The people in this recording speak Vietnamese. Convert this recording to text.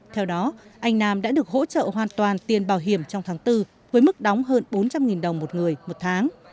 theo đó anh nam đã được hỗ trợ hoàn toàn tiền bảo hiểm trong tháng bốn với mức đóng hơn bốn trăm linh đồng một người một tháng